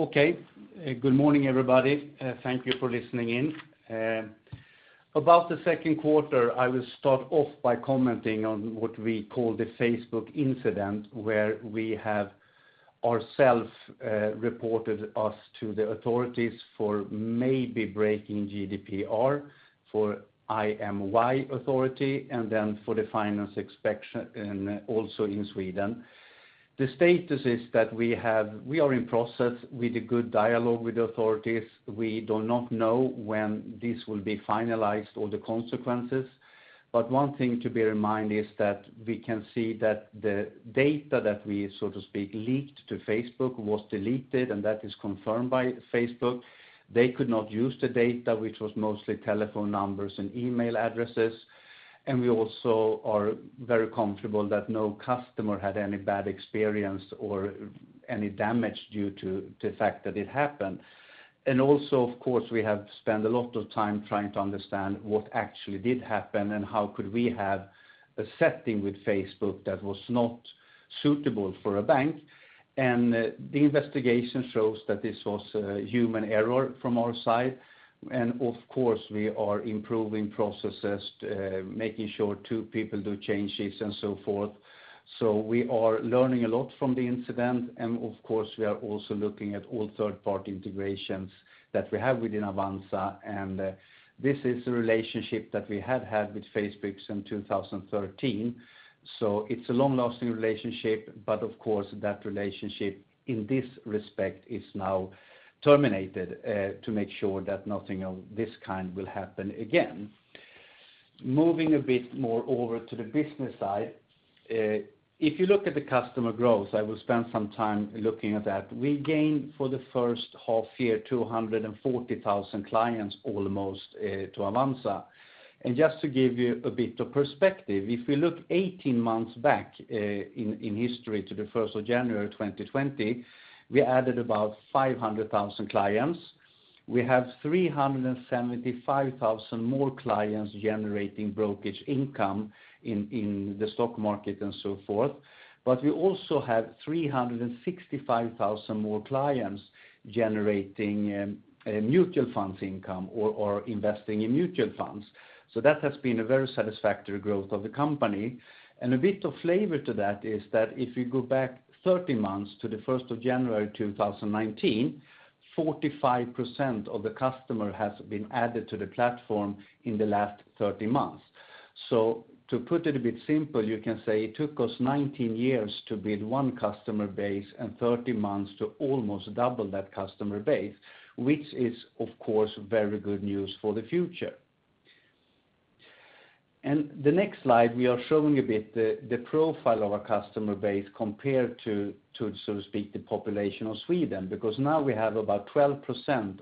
Okay. Good morning, everybody. Thank you for listening in. About the second quarter, I will start off by commenting on what we call the Facebook incident, where we have ourselves reported us to the authorities for maybe breaking GDPR for IMY authority and then for the Finansinspektionen also in Sweden. The status is that we are in process with a good dialogue with authorities. We do not know when this will be finalized or the consequences, but one thing to bear in mind is that we can see that the data that we, so to speak, leaked to Facebook was deleted, and that is confirmed by Facebook. They could not use the data, which was mostly telephone numbers and email addresses, and we also are very comfortable that no customer had any bad experience or any damage due to the fact that it happened. Also, of course, we have spent a lot of time trying to understand what actually did happen and how could we have a setting with Facebook that was not suitable for a bank. The investigation shows that this was a human error from our side, and of course, we are improving processes, making sure two people do changes and so forth. We are learning a lot from the incident, and of course, we are also looking at all third-party integrations that we have within Avanza. This is a relationship that we have had with Facebook since 2013. It's a long-lasting relationship, but of course, that relationship in this respect is now terminated to make sure that nothing of this kind will happen again. Moving a bit more over to the business side. If you look at the customer growth, I will spend some time looking at that. We gained for the first half year, 240,000 clients almost to Avanza. Just to give you a bit of perspective, if you look 18 months back in history to the 1st of January 2020, we added about 500,000 clients. We have 375,000 more clients generating brokerage income in the stock market and so forth, but we also have 365,000 more clients generating mutual funds income or investing in mutual funds. That has been a very satisfactory growth of the company. A bit of flavor to that is that if you go back 30 months to the 1st of January 2019, 45% of the customer has been added to the platform in the last 30 months. To put it a bit simple, you can say it took us 19 years to build one customer base and 30 months to almost double that customer base, which is of course very good news for the future. In the next slide, we are showing a bit the profile of our customer base compared to so to speak the population of Sweden, because now we have about 12%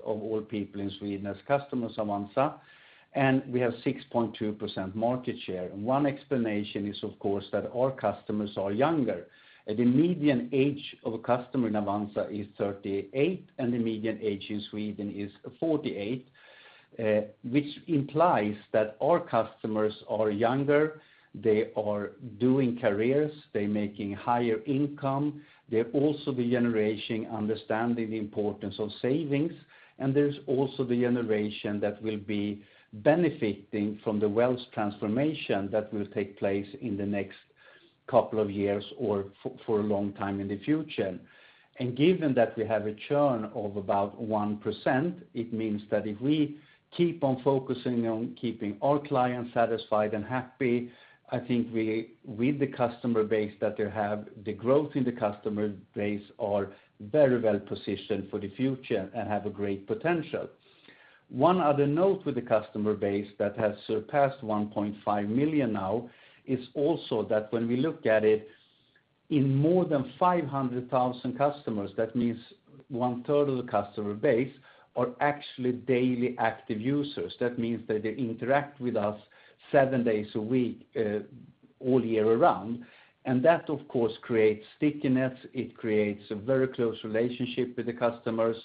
of all people in Sweden as customers of Avanza, and we have 6.2% market share. One explanation is, of course, that our customers are younger, and the median age of a customer in Avanza is 38, and the median age in Sweden is 48, which implies that our customers are younger, they are doing careers, they're making higher income. They're also the generation understanding the importance of savings, and there's also the generation that will be benefiting from the wealth transformation that will take place in the next couple of years or for a long time in the future. Given that we have a churn of about 1%, it means that if we keep on focusing on keeping our clients satisfied and happy, I think with the customer base that they have, the growth in the customer base are very well positioned for the future and have a great potential. One other note with the customer base that has surpassed 1.5 million now is also that when we look at it in more than 500,000 customers, that means one third of the customer base are actually daily active users. That means that they interact with us seven days a week all year round, that of course creates stickiness. It creates a very close relationship with the customers,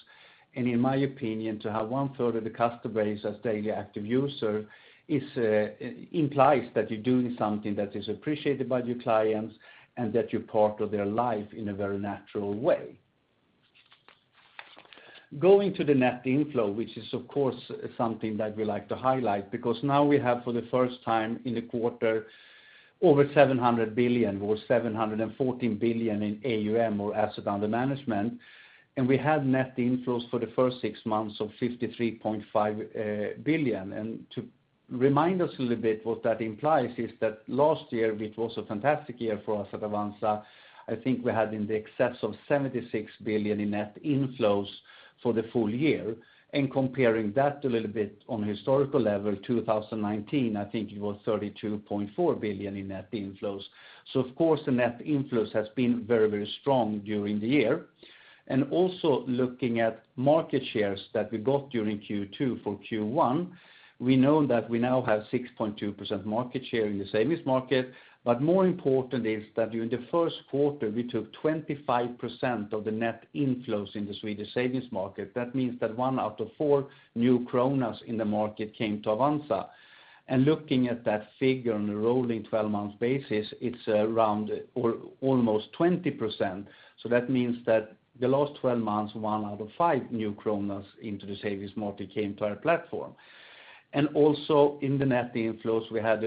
in my opinion, to have one third of the customer base as daily active user implies that you're doing something that is appreciated by your clients and that you're part of their life in a very natural way. Going to the net inflow, which is of course something that we like to highlight because now we have for the first time in the quarter over 700 billion or 714 billion in AUM or asset under management, we have net inflows for the first six months of 53.5 billion. To remind us a little bit what that implies is that last year, which was a fantastic year for us at Avanza, I think we had in excess of 76 billion in net inflows for the full year. Comparing that a little bit on a historical level, 2019, I think it was 32.4 billion in net inflows. Of course, the net inflows has been very, very strong during the year. Also looking at market shares that we got during Q2 for Q1, we know that we now have 6.2% market share in the savings market. More important is that during the first quarter, we took 25% of the net inflows in the Swedish savings market. That means that one out of four new kronas in the market came to Avanza. Looking at that figure on a rolling 12 months basis, it's around almost 20%. That means that the last 12 months, one out of five new kronas into the savings market came to our platform. Also in the net inflows, we had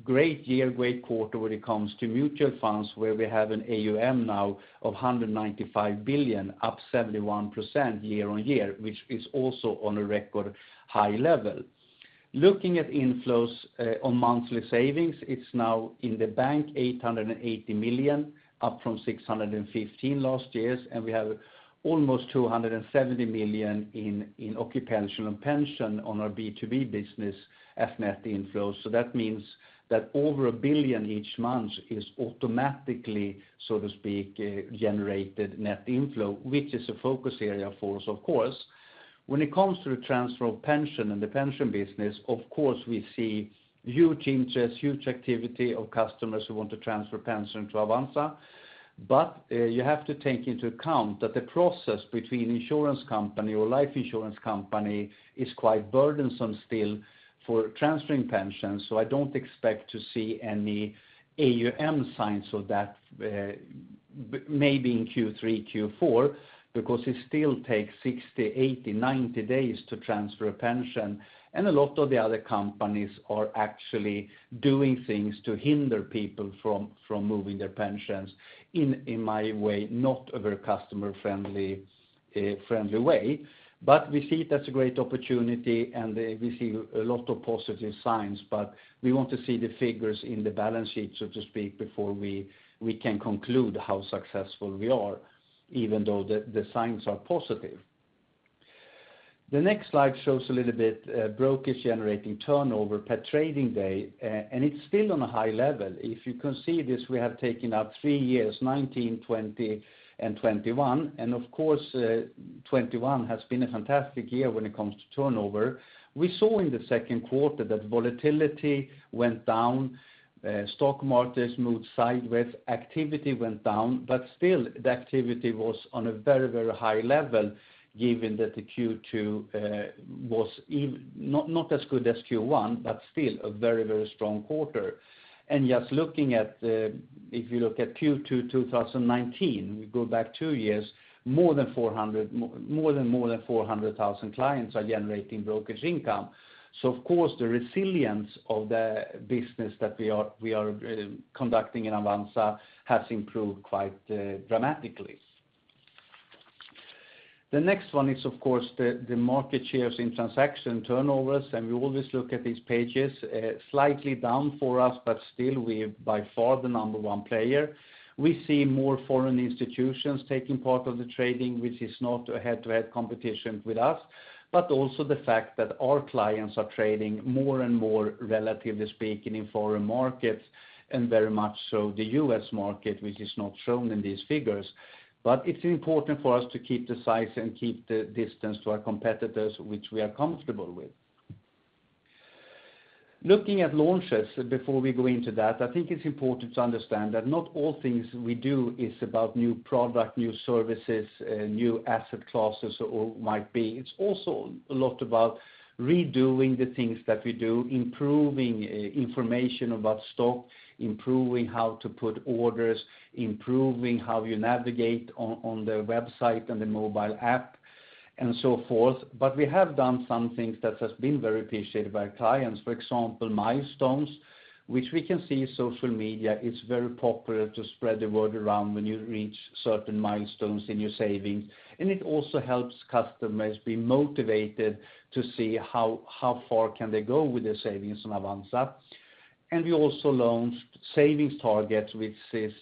a great year, great quarter when it comes to mutual funds, where we have an AUM now of 195 billion, up 71% year-on-year, which is also on a record high-level. Looking at inflows on monthly savings, it's now in the bank 880 million, up from 615 last year, and we have almost 270 million in occupational pension on our B2B business as net inflows. That means that over 1 billion each month is automatically, so to speak, generated net inflow, which is a focus area for us, of course. When it comes to the transfer of pension and the pension business, of course, we see huge interest, huge activity of customers who want to transfer pension to Avanza. You have to take into account that the process between insurance company or life insurance company is quite burdensome still for transferring pensions. I don't expect to see any AUM signs of that, maybe in Q3, Q4, because it still takes 60, 80, 90 days to transfer a pension. A lot of the other companies are actually doing things to hinder people from moving their pensions in my way, not a very customer-friendly way. We see that's a great opportunity, and we see a lot of positive signs. We want to see the figures in the balance sheet, so to speak, before we can conclude how successful we are, even though the signs are positive. The next slide shows a little bit brokerage generating turnover per trading day. It's still on a high-level. If you can see this, we have taken out three years, 2019, 2020, and 2021. Of course, 2021 has been a fantastic year when it comes to turnover. We saw in the second quarter that volatility went down, stock markets moved sideways, activity went down, but still the activity was on a very, very high-level given that the Q2 was not as good as Q1, but still a very, very strong quarter. If you look at Q2 2019, you go back two years, more than 400,000 clients are generating brokerage income. Of course, the resilience of the business that we are conducting in Avanza has improved quite dramatically. The next one is, of course, the market shares in transaction turnovers, and we always look at these pages slightly down for us, but still we are by far the number one player. We see more foreign institutions taking part of the trading, which is not a head-to-head competition with us, but also the fact that our clients are trading more and more, relatively speaking, in foreign markets, and very much so the U.S. market, which is not shown in these figures. It's important for us to keep the size and keep the distance to our competitors, which we are comfortable with. Looking at launches, before we go into that, I think it's important to understand that not all things we do is about new product, new services, new asset classes. It's also a lot about redoing the things that we do, improving information about stock, improving how to put orders, improving how you navigate on the website and the mobile app, and so forth. We have done some things that have been very appreciated by clients. For example, milestones, which we can see social media, it's very popular to spread the word around when you reach certain milestones in your savings. And it also helps customers be motivated to see how far can they go with their savings on Avanza. We also launched savings targets, which is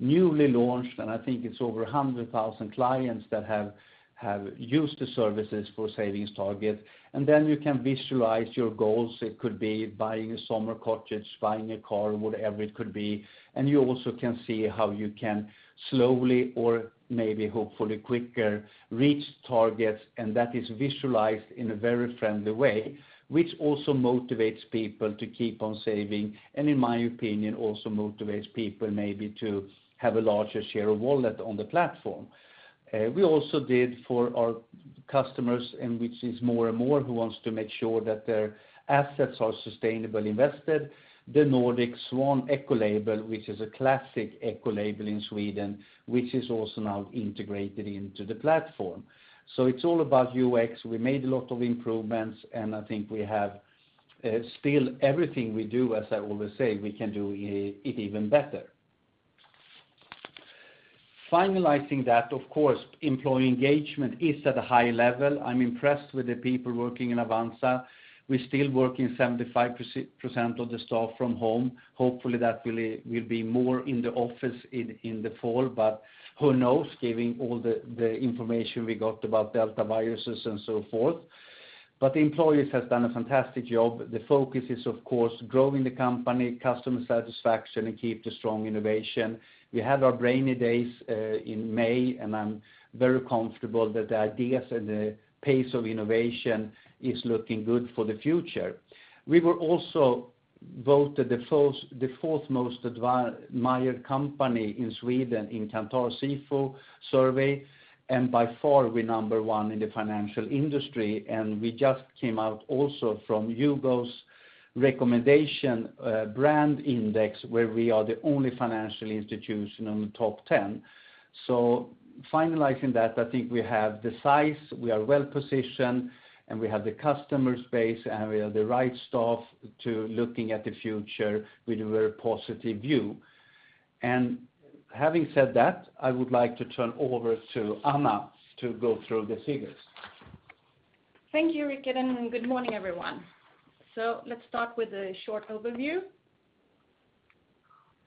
newly launched, and I think it's over 100,000 clients that have used the services for savings target. Then you can visualize your goals. It could be buying a summer cottage, buying a car, whatever it could be. You also can see how you can slowly or maybe hopefully quicker reach targets. That is visualized in a very friendly way, which also motivates people to keep on saving and in my opinion also motivates people maybe to have a larger share of wallet on the platform. We also did for our customers and which is more and more who wants to make sure that their assets are sustainably invested, the Nordic Swan Ecolabel, which is a classic ecolabel in Sweden, which is also now integrated into the platform. It's all about UX. We made a lot of improvements, and I think we have still everything we do, as I always say, we can do it even better. Finalizing that, of course, employee engagement is at a high-level. I'm impressed with the people working in Avanza. We're still working 75% of the staff from home. Hopefully, that will be more in the office in the fall, but who knows, given all the information we got about Delta and so forth. The employees have done a fantastic job. The focus is, of course, growing the company, customer satisfaction, and keep the strong innovation. We had our Brainy Days in May, and I'm very comfortable that the ideas and the pace of innovation is looking good for the future. We were also voted the fourth most admired company in Sweden in Kantar SIFO survey, and by far we're number one in the financial industry, and we just came out also from YouGov's Recommend BrandIndex, where we are the only financial institution on the top 10. Finalizing that, I think we have the size, we are well-positioned, and we have the customer space, and we have the right staff to looking at the future with a very positive view. Having said that, I would like to turn over to Anna to go through the figures. Thank you, Rikard, and good morning, everyone. Let's start with a short overview.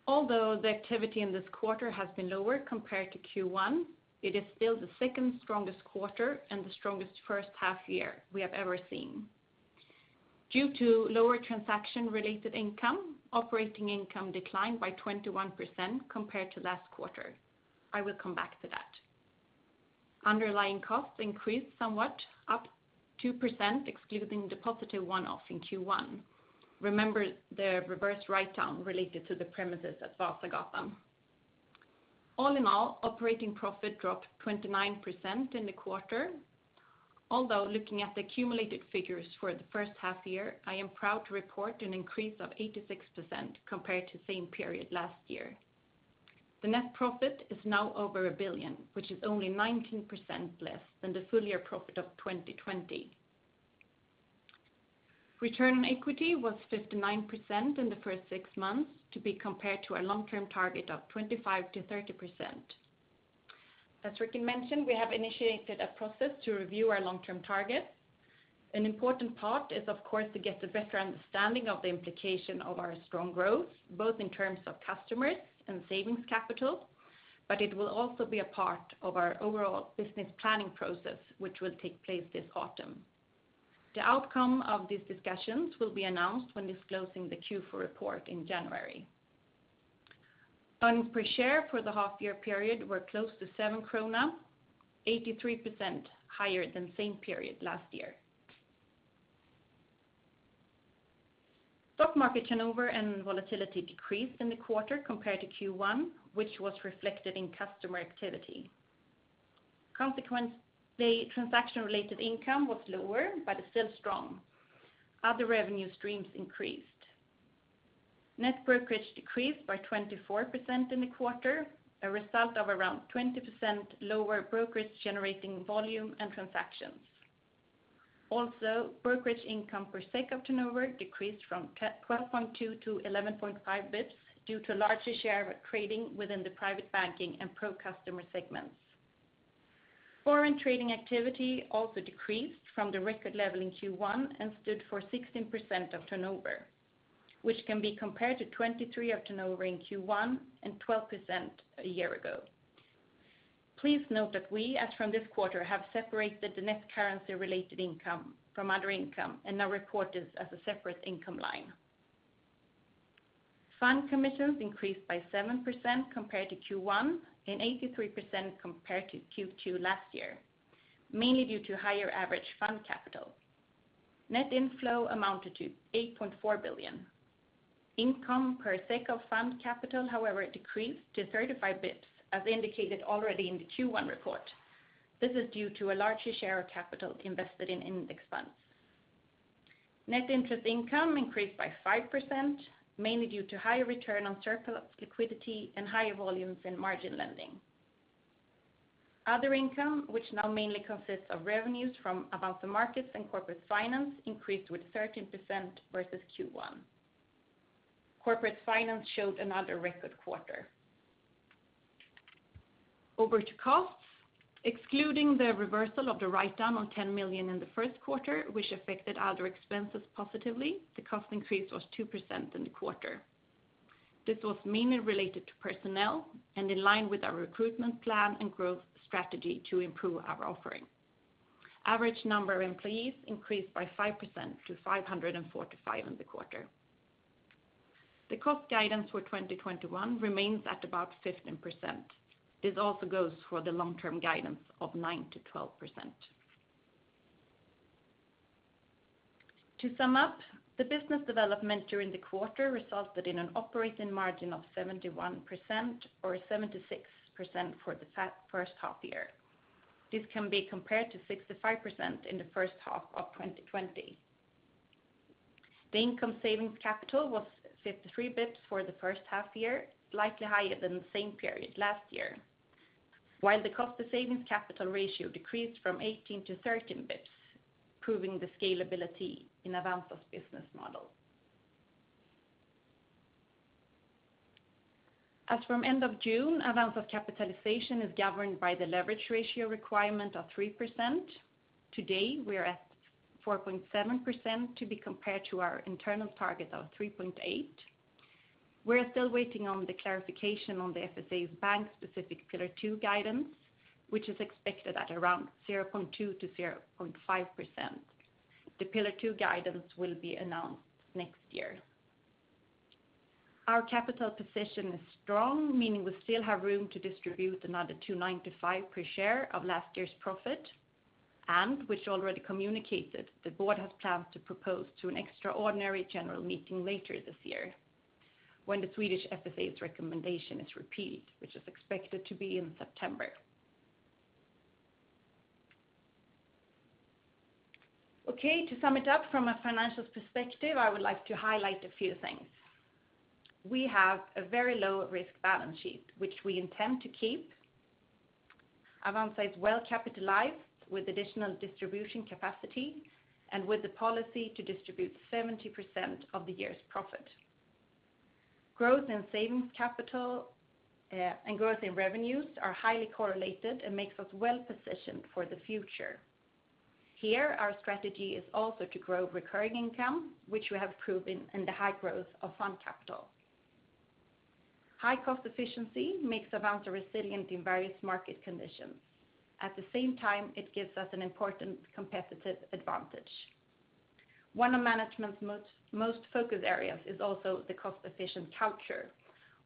Although the activity in this quarter has been lower compared to Q1, it is still the second strongest quarter and the strongest first half year we have ever seen. Due to lower transaction related income, operating income declined by 21% compared to last quarter. I will come back to that. Underlying costs increased somewhat, up 2% excluding the positive one-off in Q1. Remember the reverse write-down related to the premises at Vasagatan. All in all, operating profit dropped 29% in the quarter, although looking at the cumulative figures for the 1st half year, I am proud to report an increase of 86% compared to the same period last year. The net profit is now over 1 billion, which is only 19% less than the full year profit of 2020. Return on equity was 59% in the first six months to be compared to our long-term target of 25%-30%. As Rikard mentioned, we have initiated a process to review our long-term targets. An important part is of course to get a better understanding of the implication of our strong growth, both in terms of customers and savings capital. It will also be a part of our overall business planning process, which will take place this autumn. The outcome of these discussions will be announced when disclosing the Q4 report in January. Earnings per share for the half-year period were close to 7 krona, 83% higher than the same period last year. Stock market turnover and volatility decreased in the quarter compared to Q1, which was reflected in customer activity. Consequently, transaction-related income was lower but is still strong. Other revenue streams increased. Net brokerage decreased by 24% in the quarter, a result of around 20% lower brokerage generating volume and transactions. Also, brokerage income per SEK of turnover decreased from 12.2 basis points to 11.5 basis points due to larger share trading within the Private Banking and Pro customers segments. Foreign trading activity also decreased from the record level in Q1 and stood for 16% of turnover, which can be compared to 23% of turnover in Q1 and 12% a year ago. Please note that we, as from this quarter, have separated the net currency related income from other income and now report it as a separate income line. Fund commissions increased by 7% compared to Q1 and 83% compared to Q2 last year, mainly due to higher average fund capital. Net inflow amounted to 8.4 billion. Income per SEK of fund capital, however, decreased to 35 basis points as indicated already in the Q1 report. This is due to a larger share of capital invested in index funds. Net interest income increased by 5%, mainly due to higher return on surplus liquidity and higher volumes in margin lending. Other income, which now mainly consists of revenues from Avanza Markets and Corporate Finance, increased with 13% versus Q1. Corporate Finance showed another record quarter. Over to costs. Excluding the reversal of the write-down on 10 million in the first quarter, which affected other expenses positively, the cost increase was 2% in the quarter. This was mainly related to personnel and in line with our recruitment plan and growth strategy to improve our offering. Average number of employees increased by 5% to 545 in the quarter. The cost guidance for 2021 remains at about 15%. This also goes for the long-term guidance of 9%-12%. To sum up, the business development during the quarter resulted in an operating margin of 71% or 76% for the first half-year. This can be compared to 65% in the first half of 2020. The income savings capital was 53 basis points for the first half-year, slightly higher than the same period last year, while the cost to savings capital ratio decreased from 18 basis points to 13 basis point, proving the scalability in Avanza's business model. As from end of June, Avanza's capitalization is governed by the leverage ratio requirement of 3%. Today, we are at 4.7% to be compared to our internal target of 3.8%. We're still waiting on the clarification on the FSA bank specific Pillar 2 guidance, which is expected at around 0.2%-0.5%. The Pillar 2 guidance will be announced next year. Our capital position is strong, meaning we still have room to distribute another 295 per share of last year's profit and, which already communicated, the board has plans to propose to an extraordinary general meeting later this year when the Swedish FSA's recommendation is received, which is expected to be in September. Okay, to sum it up from a financial perspective, I would like to highlight a few things. We have a very low-risk balance sheet, which we intend to keep Avanza well capitalized with additional distribution capacity and with the policy to distribute 70% of the year's profit. Growth in savings capital and growth in revenues are highly correlated and makes us well-positioned for the future. Here, our strategy is also to grow recurring income, which we have proven in the high growth of fund capital. High cost efficiency makes Avanza resilient in various market conditions. At the same time, it gives us an important competitive advantage. One of management's most focused areas is also the cost-efficient culture,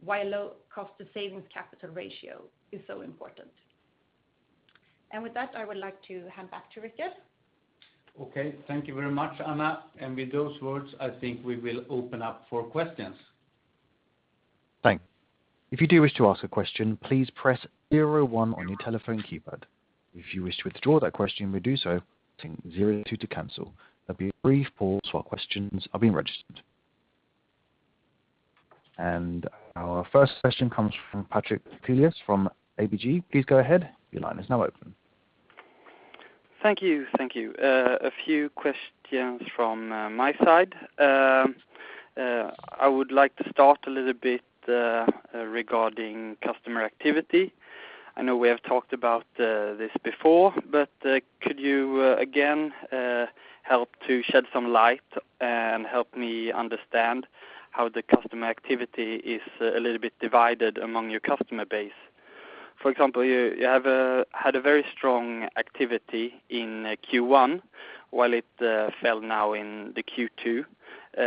why low cost to savings capital ratio is so important. With that, I would like to hand back to Rikard. Okay. Thank you very much, Anna. With those words, I think we will open up for questions. Thanks. If you do wish to ask a question, please press zero one on your telephone keypad. If you wish to withdraw that question, you may do so using zero two to cancel. There'll be a brief pause while questions are being registered. Our first question comes from Patrik Brattelius from ABG. Please go ahead. Your line is now open. Thank you. A few questions from my side. I would like to start a little bit regarding customer activity. I know we have talked about this before, but could you again help to shed some light and help me understand how the customer activity is a little bit divided among your customer base? For example, you had a very strong activity in Q1 while it fell now in the Q2.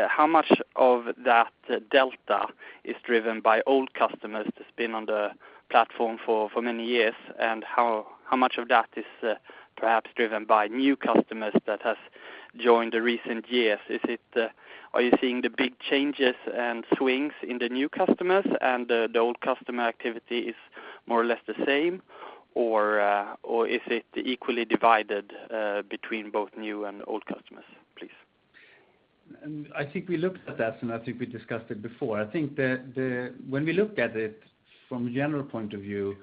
How much of that delta is driven by old customers that's been on the platform for many years, and how much of that is perhaps driven by new customers that have joined the recent years? Are you seeing the big changes and swings in the new customers and the old customer activity is more or less the same, or is it equally divided between both new and old customers, please? I think we looked at that and I think we discussed it before. When we look at it from a general point of view,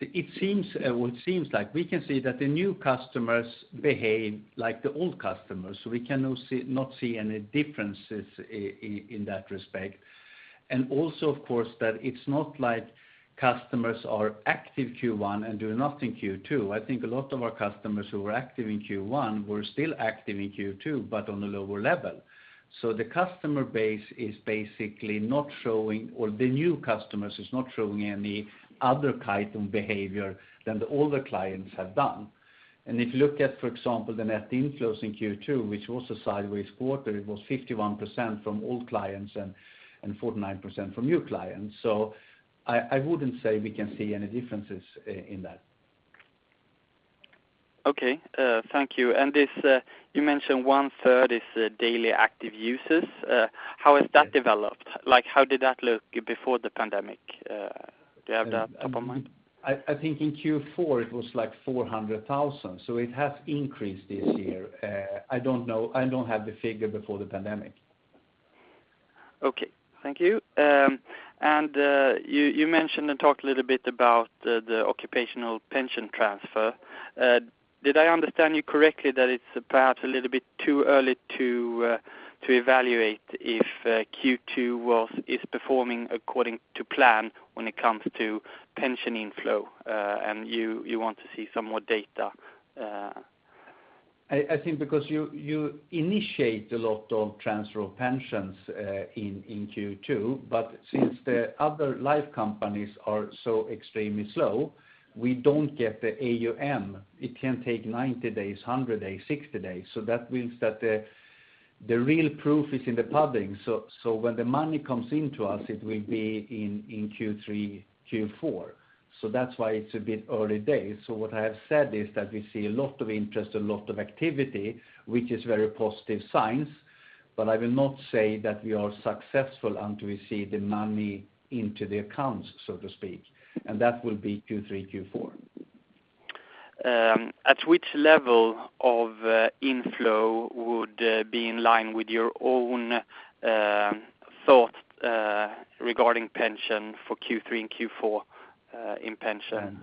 it seems like we can say that the new customers behave like the old customers. We cannot see any differences in that respect. Of course, that it's not like customers are active Q1 and do nothing Q2. A lot of our customers who were active in Q1 were still active in Q2, but on a lower level. The customer base is basically not showing, or the new customers is not showing any other type of behavior than the older clients have done. If you look at, for example, the net inflows in Q2, which was a sideways quarter, it was 51% from old clients and 49% from new clients. I wouldn't say we can see any differences in that. Okay. Thank you. You mentioned one-third is daily active users. How has that developed? How did that look before the pandemic? Do you have that top of mind? I think in Q4 it was like 400,000, so it has increased this year. I don't have the figure before the pandemic. Okay. Thank you. You mentioned and talked a little bit about the occupational pension transfer. Did I understand you correctly that it's perhaps a little bit too early to evaluate if Q2 is performing according to plan when it comes to pension inflow and you want to see some more data? I think because you initiate a lot of transfer of pensions in Q2, but since the other life companies are so extremely slow, we don't get the AUM. It can take 90 days, 100 days, 60 days. That means that the real proof is in the pudding. When the money comes into us, it will be in Q3, Q4. That's why it's a bit early days. What I've said is that we see a lot of interest, a lot of activity, which is very positive signs, but I will not say that we are successful until we see the money into the accounts, so to speak, and that will be Q3, Q4. At which level of inflow would be in line with your own thought regarding pension for Q3 and Q4 in pension?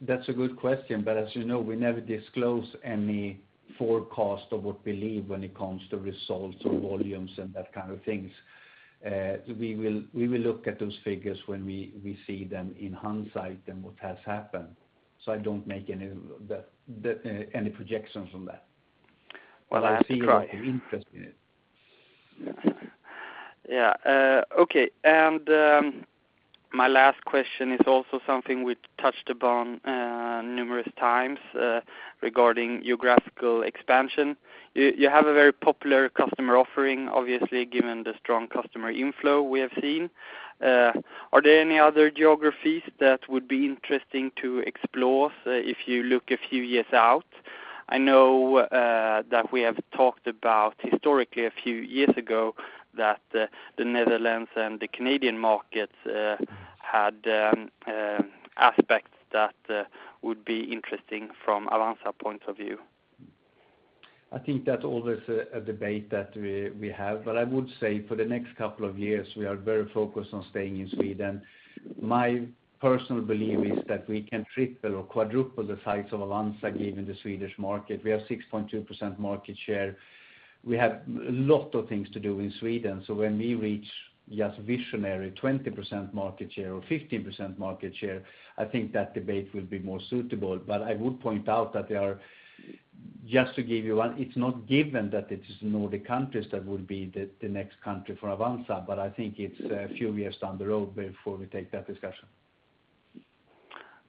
That's a good question. As you know, we never disclose any forecast of what we believe when it comes to results or volumes and that kind of things. We will look at those figures when we see them in hindsight than what has happened. I don't make any projections on that. I see a lot of interest in it. Yeah. Okay. My last question is also something we've touched upon numerous times regarding geographical expansion. You have a very popular customer offering, obviously, given the strong customer inflow we have seen. Are there any other geographies that would be interesting to explore if you look a few years out? I know that we have talked about historically a few years ago that the Netherlands and the Canadian markets had aspects that would be interesting from Avanza point of view. I think that's always a debate that we have. I would say for the next couple of years, we are very focused on staying in Sweden. My personal belief is that we can triple or quadruple the size of Avanza given the Swedish market. We have 6.2% market share. We have a lot of things to do in Sweden. When we reach, just visionary, 20% market share or 15% market share, I think that debate will be more suitable. I would point out that they are, just to give you one, it's not given that it is Nordic countries that will be the next country for Avanza, but I think it's a few years down the road before we take that discussion.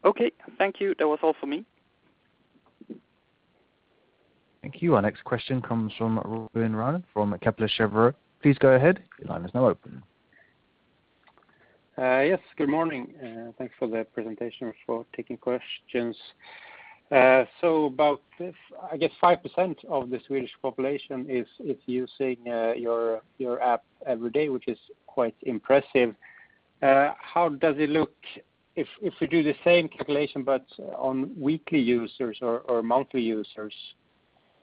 Okay, thank you. That was all for me. Thank you. Our next question comes from Robin Rane from Kepler Cheuvreux. Please go ahead. Your line is now open. Good morning, and thanks for the presentation, and for taking questions. About, I guess 5% of the Swedish population is using your app every day, which is quite impressive. How does it look if we do the same calculation but on weekly users or monthly users?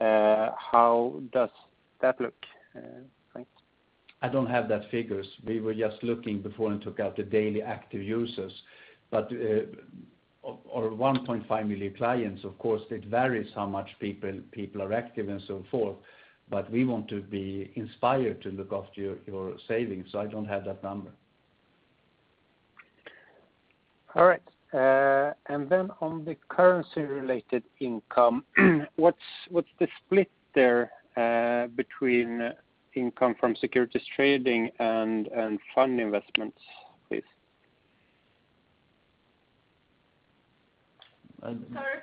How does that look? Thanks. I don't have that figures. We were just looking before and took out the daily active users, or 1.5 million clients. Of course, it varies how much people are active and so forth, but we want to be inspired to look after your savings, so I don't have that number. All right. Then on the currency related income, what's the split there between income from securities trading and fund investments, please? Sorry,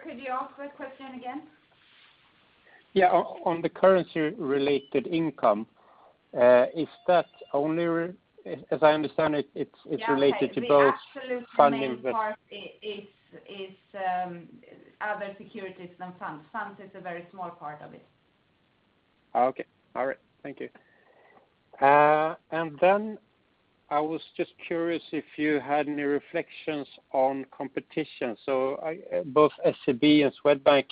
could you ask the question again? Yeah. On the currency related income, as I understand it's related to both fund. Yeah, the absolute main part is other securities and funds. Funds is a very small part of it. Okay. All right. Thank you. Then I was just curious if you had any reflections on competition. Both SEB and Swedbank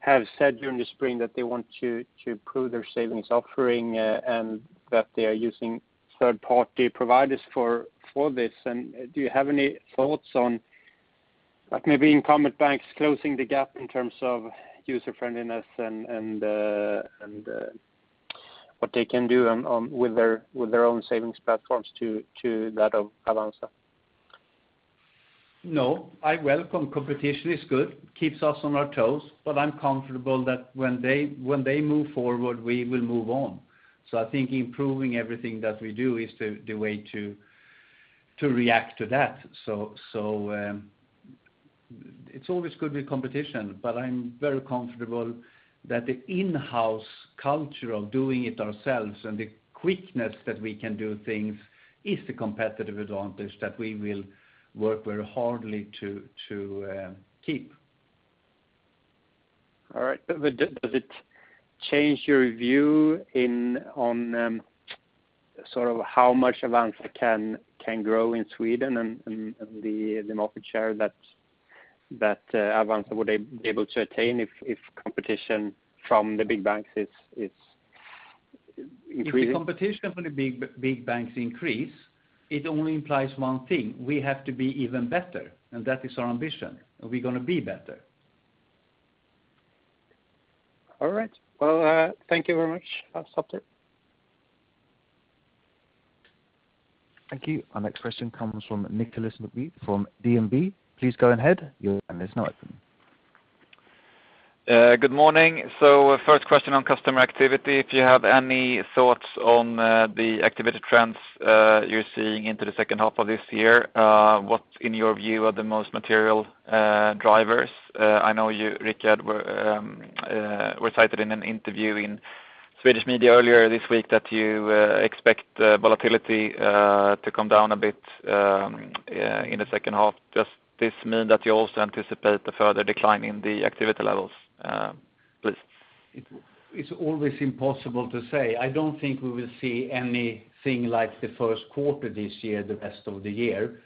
have said during the spring that they want to improve their savings offering, and that they are using third party providers for this. Do you have any thoughts on maybe incumbent banks closing the gap in terms of user friendliness and what they can do with their own savings platforms to that of Avanza? No, I welcome competition is good, keeps us on our toes. I'm comfortable that when they move forward, we will move on. I think improving everything that we do is the way to react to that. It's always good with competition. I'm very comfortable that the in-house culture of doing it ourselves and the quickness that we can do things is the competitive advantage that we will work very hardly to keep. All right. Does it change your view on how much Avanza can grow in Sweden and the market share that Avanza would be able to attain if competition from the big banks is increasing? If the competition for the big banks increase, it only implies one thing. We have to be even better, and that is our ambition, and we're going to be better. All right. Well, thank you very much. I'll stop there. Thank you. Our next question comes from Nicolas McBeath from DNB. Please go ahead. Your line is now open. Good morning. First question on customer activity. If you have any thoughts on the activity trends you're seeing into the second half of this year, what in your view are the most material drivers? I know you, Rikard, were cited in an interview in Swedish media earlier this week that you expect the volatility to come down a bit in the second half. Does this mean that you also anticipate a further decline in the activity levels? Please. It's always impossible to say. I don't think we will see anything like the first quarter this year, the rest of the year.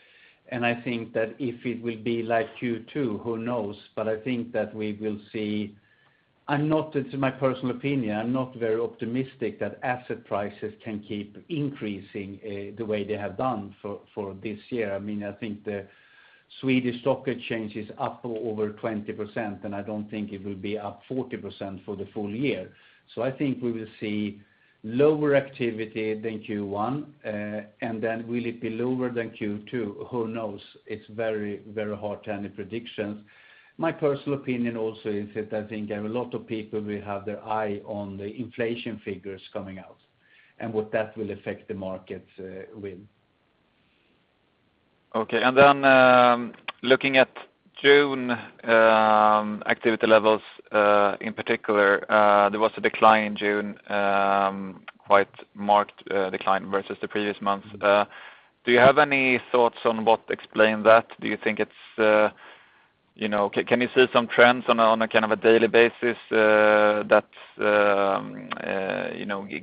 I think that if it will be like Q2, who knows? I think that we will see. It's my personal opinion, I'm not very optimistic that asset prices can keep increasing the way they have done for this year. I think the Swedish stock exchange is up over 20%, and I don't think it will be up 40% for the full year. I think we will see lower activity than Q1. Will it be lower than Q2? Who knows? It's very hard to any predictions. My personal opinion also is that I think a lot of people will have their eye on the inflation figures coming out and what that will affect the markets with. Okay. Looking at June activity levels in particular, there was a decline in June, quite marked decline versus the previous month. Do you have any thoughts on what explained that? Can you see some trends on a data basis that's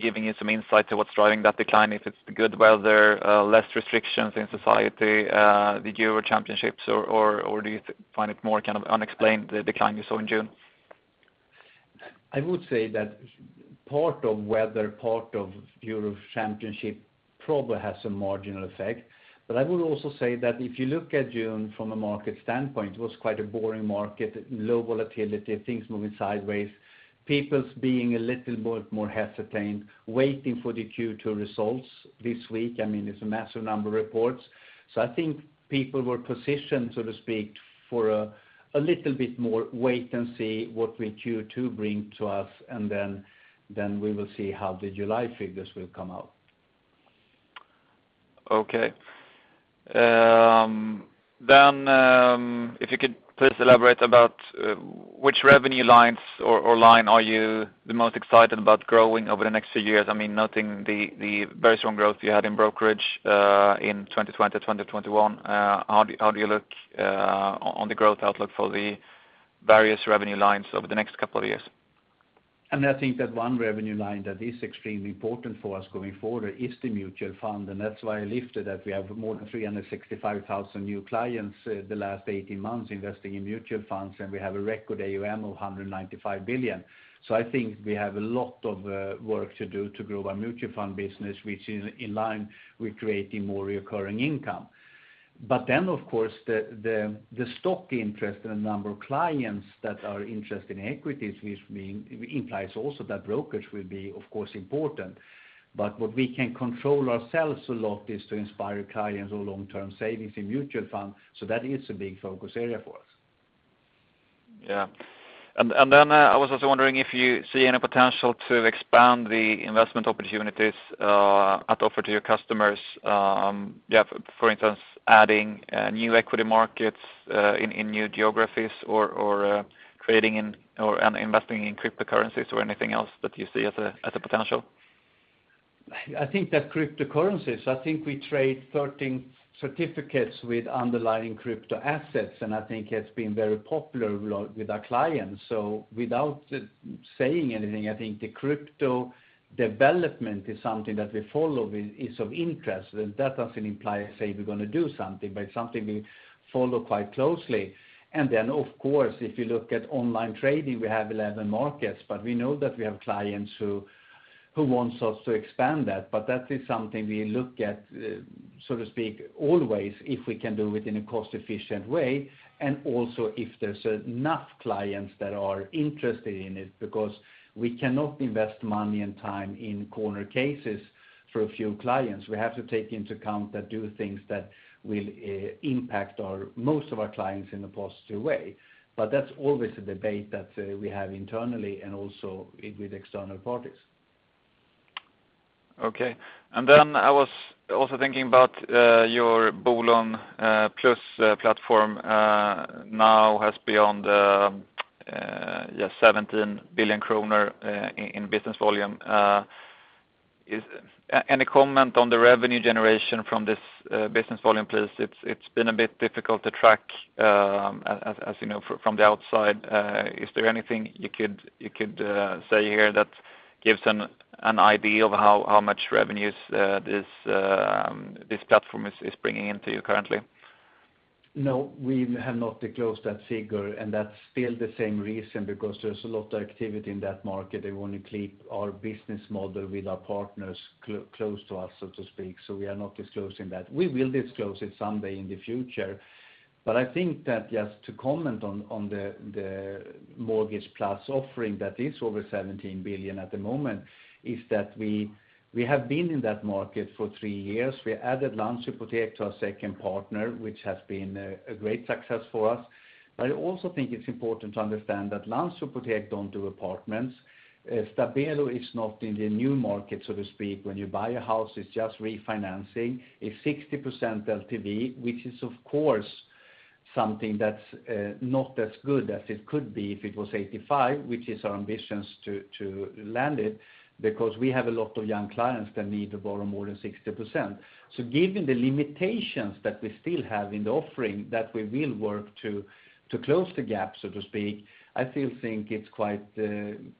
giving you some insight to what's driving that decline? If it's the good weather, less restrictions in society, the Euro championships, or do you find it more unexplained, the decline you saw in June? I would say that part of whether part of Euro Championship probably has some marginal effect. I would also say that if you look at June from a market standpoint, it was quite a boring market, low volatility, things moving sideways, people being a little more hesitant, waiting for the Q2 results this week. It's a massive number reports. I think people were positioned, so to speak, for a little bit more wait and see what will Q2 bring to us, and then we will see how the July figures will come out. Okay. If you could please elaborate about which revenue lines or line are you the most excited about growing over the next two years? Noting the very strong growth you had in brokerage, in 2020, 2021. How do you look on the growth outlook for the various revenue lines over the next couple of years? I think that one revenue line that is extremely important for us going forward is the mutual fund. That's why I lifted that we have more than 365,000 new clients the last 18 months investing in mutual funds, and we have a record AUM of 195 billion. I think we have a lot of work to do to grow our mutual fund business, which is in line with creating more reoccurring income. Of course, the stock interest and the number of clients that are interested in equities, which implies also that brokerage will be, of course, important. What we can control ourselves a lot is to inspire clients on long-term savings in mutual funds. That is a big focus area for us. Yeah. I was just wondering if you see any potential to expand the investment opportunities offered to your customers, for instance, adding new equity markets in new geographies or trading in or investing in cryptocurrencies or anything else that you see as a potential? I think that cryptocurrencies, I think we trade 13 certificates with underlying crypto assets, and I think it's been very popular with our clients. Without saying anything, I think the crypto development is something that we follow is of interest. That doesn't imply, say, we're going to do something, but it's something we follow quite closely. Of course, if you look at online trading, we have 11 markets, but we know that we have clients who wants us to expand that. That is something we look at, so to speak, always if we can do it in a cost-efficient way, and also if there's enough clients that are interested in it because we cannot invest money and time in corner cases for a few clients. We have to take into account that do things that will impact most of our clients in a positive way. That's always a debate that we have internally and also with external parties. Okay. I was also thinking about your Bolån+ platform now has beyond 17 billion kronor in business volume. Any comment on the revenue generation from this business volume, please? It's been a bit difficult to track as you know from the outside. Is there anything you could say here that gives an idea of how much revenues this platform is bringing into you currently? No, we have not disclosed that figure, and that's still the same reason because there's a lot of activity in that market. We want to keep our business model with our partners close to us, so to speak. We are not disclosing that. We will disclose it someday in the future. I think that just to comment on the Bolån+ offering that is over 17 billion at the moment is that we have been in that market for three years. We added Landshypotek to our second partner, which has been a great success for us. I also think it's important to understand that Landshypotek don't do apartments. Stabelo is not in the new market, so to speak. When you buy a house, it's just refinancing. It's 60% LTV, which is, of course, something that's not as good as it could be if it was 85, which is our ambitions to land it because we have a lot of young clients that need to borrow more than 60%. Given the limitations that we still have in the offering that we will work to close the gap, so to speak, I still think it's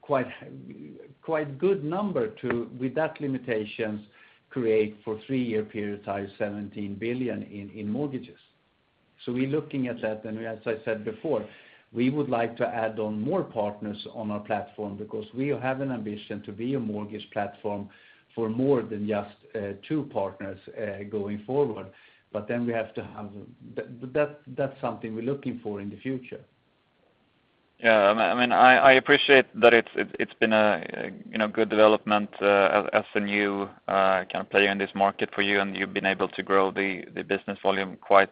quite good number to, with that limitations, create for three-year period, 17 billion in mortgages. We're looking at that, and as I said before, we would like to add on more partners on our platform because we have an ambition to be a mortgage platform for more than just two partners going forward. That's something we're looking for in the future. Yeah. I appreciate that it's been a good development as a new campaign in this market for you, and you've been able to grow the business volume quite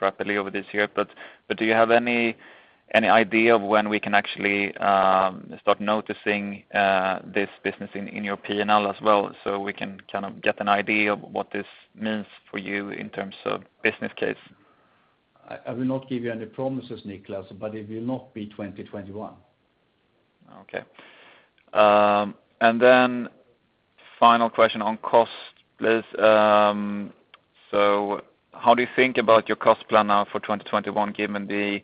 rapidly over this year. Do you have any idea of when we can actually start noticing this business in your P&L as well so we can kind of get an idea of what this means for you in terms of business case? I will not give you any promises, Nicolas, but it will not be 2021. Okay. One final question on cost, please. How do you think about your cost plan now for 2021, given the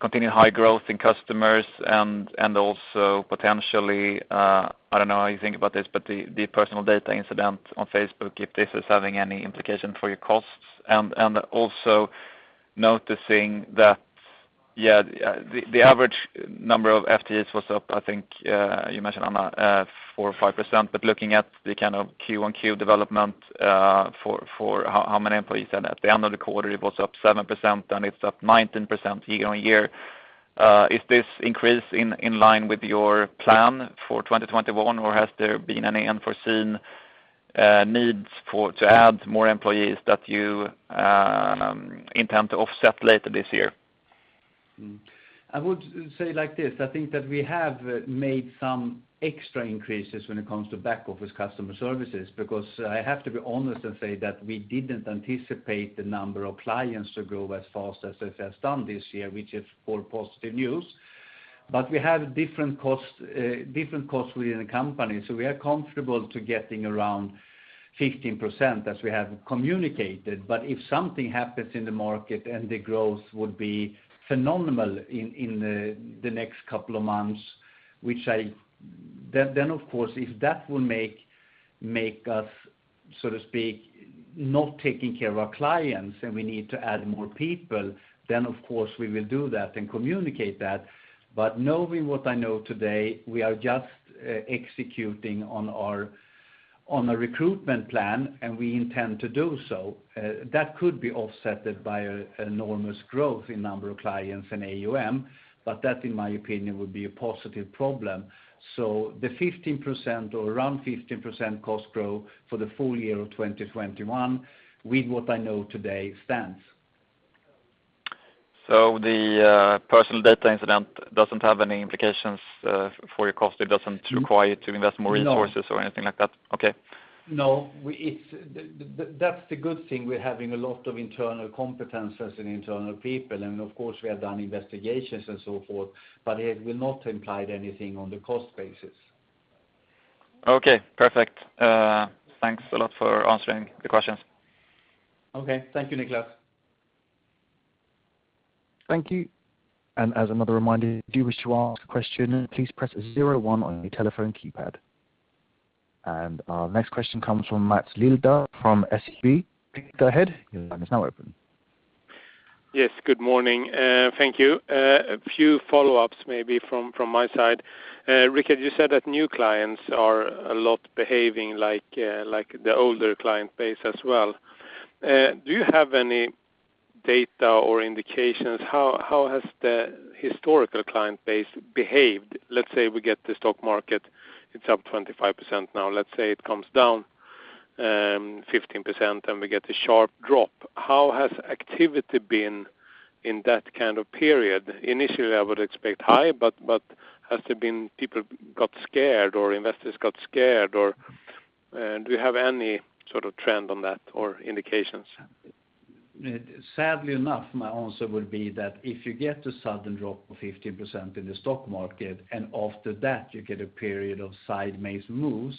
continuing high growth in customers and also potentially, I don't know how you think about this, but the personal data incident on Facebook, if this is having any implication for your costs? Also noticing that the average number of FTEs was up, I think you mentioned Anna 4% or 5%, but looking at the kind of Q-on-Q development for how many employees and at the end of the quarter it was up 7% and it's up 19% year-on-year. Is this increase in line with your plan for 2021 or has there been any unforeseen needs to add more employees that you intend to offset later this year? I would say it like this, I think that we have made some extra increases when it comes to back office customer services, because I have to be honest and say that we didn't anticipate the number of clients to grow as fast as it has done this year, which is all positive news. We have different costs within the company. We are comfortable to getting around 15% as we have communicated. If something happens in the market and the growth would be phenomenal in the next couple of months, then, of course, if that will make us, so to speak, not taking care of our clients and we need to add more people, then of course we will do that and communicate that. Knowing what I know today, we are just executing on a recruitment plan and we intend to do so. That could be offsetted by enormous growth in number of clients and AUM, but that in my opinion would be a positive problem. The 15% or around 15% cost growth for the full year of 2021 with what I know today stands. The personal data incident doesn't have any implications for your cost? It doesn't require you to invest more resources or anything like that? No. Okay. No, that's the good thing. We're having a lot of internal competencies and internal people, and of course we have done investigations and so forth, but it will not implied anything on the cost basis. Okay, perfect. Thanks a lot for answering the questions. Okay. Thank you, Nicolas. Thank you. As another reminder, if you wish to ask a question, please press zero one on your telephone keypad. Our next question comes from Maths Liljedahl from SEB. Go ahead, your line is now open. Yes, good morning. Thank you. A few follow-ups maybe from my side. Rikard, you said that new clients are a lot behaving like the older client base as well. Do you have any data or indications how has the historical client base behaved? Let's say we get the stock market, it's up 25% now, let's say it comes down 15% and we get a sharp drop. How has activity been in that kind of period? Initially, I would expect high, but has there been people got scared or investors got scared, or do you have any sort of trend on that or indications? Sadly enough, my answer would be that if you get a sudden drop of 15% in the stock market, and after that you get a period of sideways moves,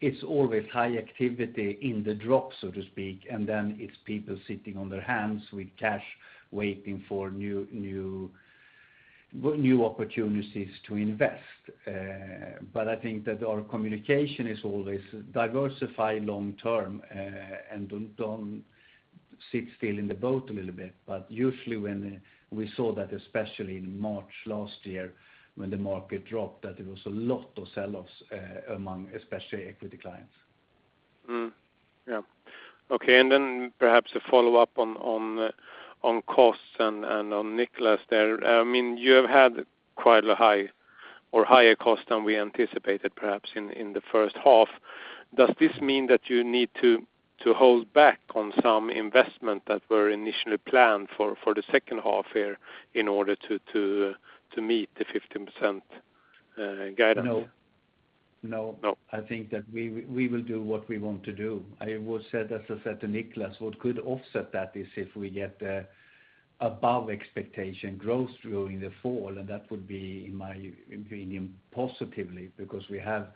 it's always high activity in the drop, so to speak, and then it's people sitting on their hands with cash waiting for new opportunities to invest. I think that our communication is always diversify long-term and don't sit still in the boat a little bit. Usually we saw that especially in March last year when the market dropped, that there was a lot of sell-offs among especially equity clients. Yeah. Okay. Perhaps a follow-up on costs and on Nicolas there. You have had quite a high or higher cost than we anticipated perhaps in the first half. Does this mean that you need to hold back on some investment that were initially planned for the second half year in order to meet the 15% guidance? No. No? I think that we will do what we want to do. As I said to Nicolas, what could offset that is if we get above expectation growth during the fall, That would be in my opinion positively because we have,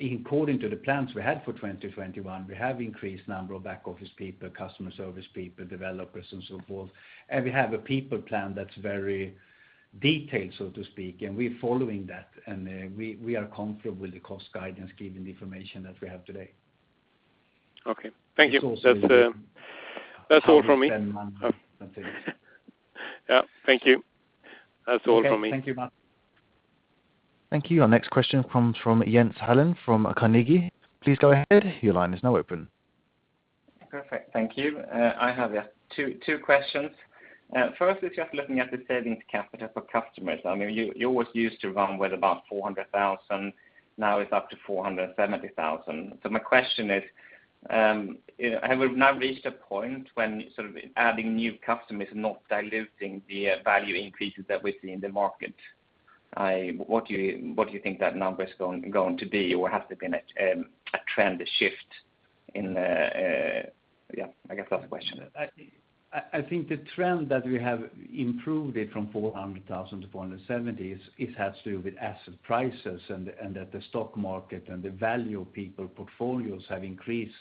according to the plans we had for 2021, we have increased number of back office people, customer service people, developers and so forth, We have a people plan that's very detailed so to speak, We are following that and we are comfortable with the cost guidance given the information that we have today. Okay. Thank you. That's all from me. Yeah. Thank you. That's all from me. Okay, thank you, Maths. Thank you. Our next question comes from Jens Hallén from Carnegie. Please go ahead. Perfect. Thank you. I have two questions. First is just looking at the savings capital for customers. You always used to run with about 400,000, now it's up to 470,000. My question is, have we now reached a point when sort of adding new customers and not diluting the value increases that we see in the market? What do you think that number's going to be? Has there been a trend shift? Yeah, I got that question. I think the trend that we have improved it from 400,000-470,000 is it has to do with asset prices and that the stock market and the value of people portfolios have increased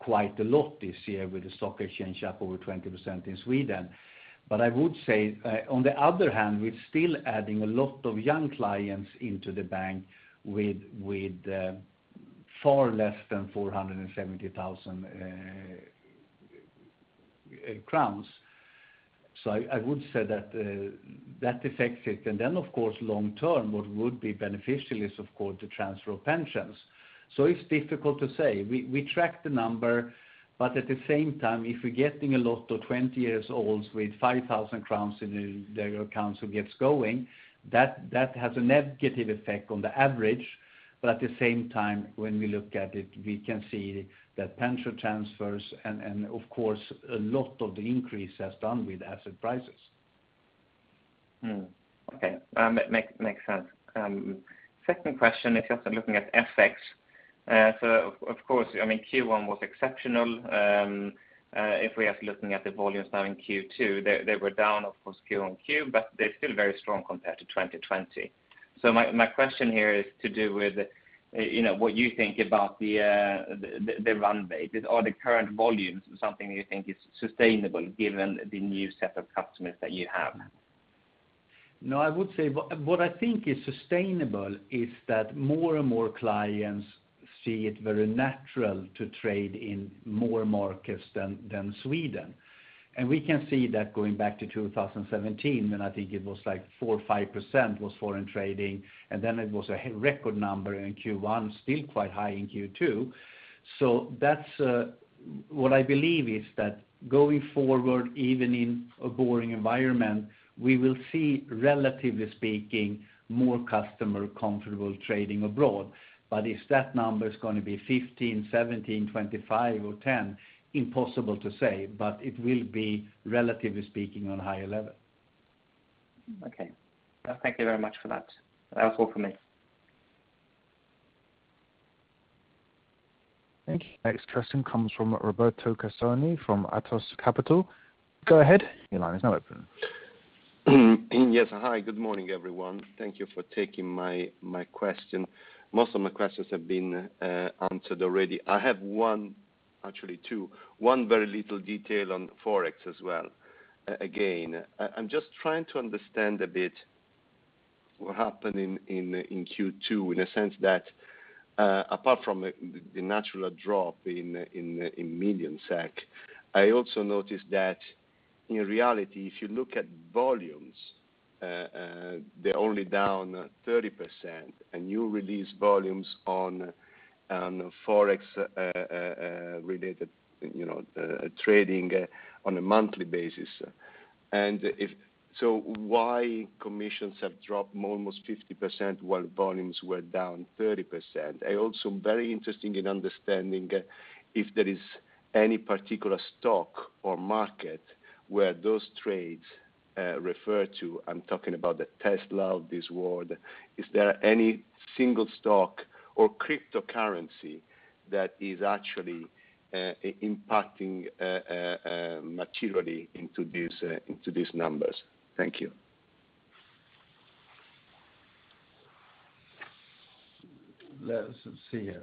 quite a lot this year with the stock exchange up over 20% in Sweden. I would say, on the other hand, we're still adding a lot of young clients into the bank with far less than SEK 470,000. I would say that affects it. Of course, long term, what would be beneficial is, of course, the transfer of pensions. It's difficult to say. We track the number, but at the same time, if you're getting a lot of 20-year-olds with 5,000 crowns in their accounts who gets going, that has a negative effect on the average. At the same time, when we look at it, we can see the pension transfers and of course, a lot of the increase has done with asset prices. Okay. That makes sense. Second question is after looking at FX. Of course, Q1 was exceptional. If we're looking at the volumes now in Q2, they were down of course, Q-on-Q, but they're still very strong compared to 2020. My question here is to do with what you think about the run rate. Are the current volumes something you think is sustainable given the new set of customers that you have? No, I would say what I think is sustainable is that more and more clients see it very natural to trade in more markets than Sweden. We can see that going back to 2017, then I think it was like 4% or 5% was foreign trading, and then it was a record number in Q1, still quite high in Q2. What I believe is that going forward, even in a boring environment, we will see, relatively speaking, more customer comfortable trading abroad. If that number is going to be 15, 17, 25 or 10, impossible to say, but it will be relatively speaking on higher level. Okay. Thank you very much for that. That is all from me. Thank you. Next question comes from Roberto Kausani from Athos Capital. Yes. Hi, good morning, everyone. Thank you for taking my question. Most of my questions have been answered already. I have one, actually two, one very little detail on the Forex as well. Again, I'm just trying to understand a bit what happened in Q2, in a sense that apart from the natural drop in million SEK, I also noticed that in reality, if you look at volumes they're only down 30% and you release volumes on Forex related trading on a monthly basis. Why commissions have dropped almost 50% while volumes were down 30%? I'm also very interested in understanding if there is any particular stock or market where those trades refer to. I'm talking about the Tesla of this world. Is there any single stock or cryptocurrency that is actually impacting materially into these numbers? Thank you. Let's see. I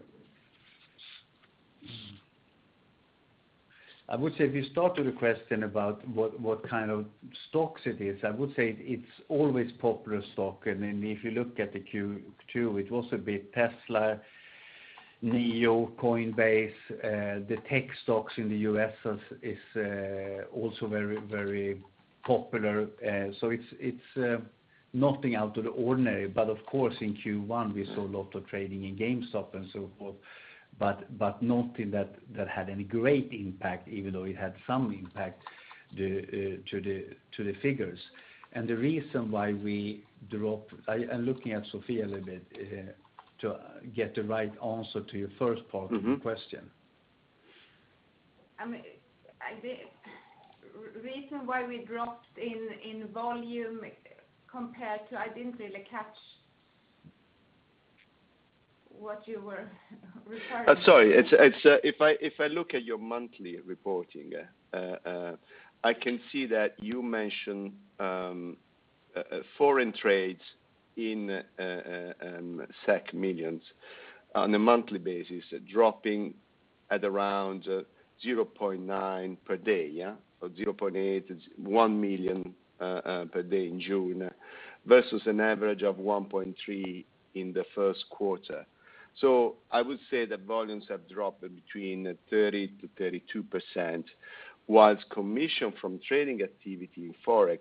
would say if you start with the question about what kind of stocks it is, I would say it's always popular stock. If you look at the Q2, it was a bit Tesla, NIO, Coinbase the tech stocks in the U.S. is also very, very popular. It's nothing out of the ordinary. Of course, in Q1 we saw a lot of trading in GameStop and so forth, but nothing that had any great impact, even though it had some impact to the figures. The reason why we dropped I'm looking at Sofia a little bit to get the right answer to your first part of your question. The reason why we dropped in volume compared to, I didn't really catch what you were referring to. Sorry. If I look at your monthly reporting, I can see that you mentioned foreign trades in millions on a monthly basis dropping at around 0.9 million per day, yeah? 0.8 million, 1 million per day in June versus an average of 1.3 million in the first quarter. So I would say the volumes have dropped between 30%-32%, whilst commission from trading activity in Forex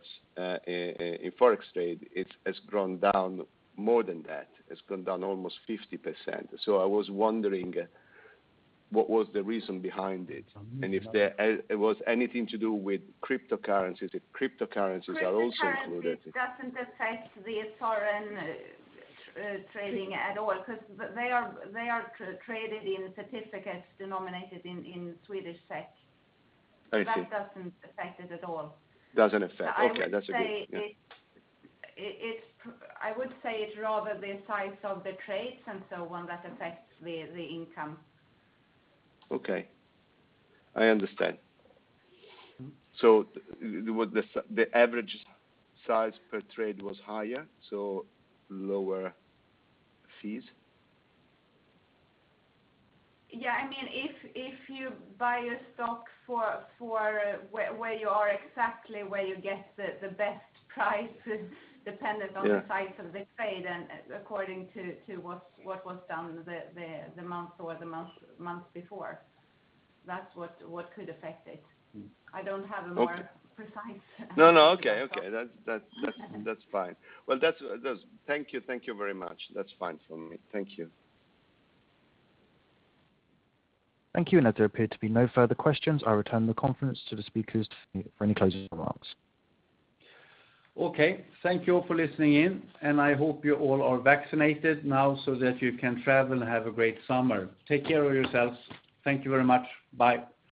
trade has gone down more than that. It's gone down almost 50%. I was wondering what was the reason behind it, and if it was anything to do with cryptocurrencies, if cryptocurrencies are also included. Cryptocurrencies doesn't affect the foreign trading at all because they are traded in certificates denominated in Swedish SEK. Okay. That doesn't affect it at all. Doesn't affect. Okay, that's good. Yeah. I would say it's rather the size of the trades than just one that affects the income. Okay, I understand. The average size per trade was higher, so lower fees? Yeah, if you buy a stock for where you are exactly where you get the best price dependent on the size of the trade and according to what was done the month or the month before. That's what could affect it. I don't have a more precise answer. No, okay. That's fine. Well, thank you. Thank you very much. That's fine for me. Thank you. Thank you. There appear to be no further questions. I'll return the conference to the speakers for any closing remarks. Okay, thank you all for listening in. I hope you all are vaccinated now so that you can travel and have a great summer. Take care of yourselves. Thank you very much. Bye.